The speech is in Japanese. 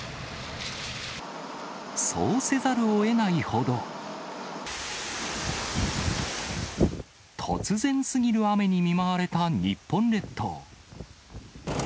そうせざるをえないほど、突然すぎる雨に見舞われた日本列島。